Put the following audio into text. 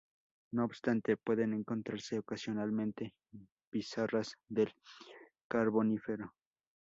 No obstante, pueden encontrarse ocasionalmente pizarras del Carbonífero.